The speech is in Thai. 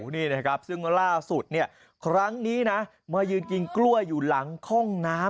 นี่นะครับซึ่งล่าสุดเนี่ยครั้งนี้นะมายืนกินกล้วยอยู่หลังห้องน้ำ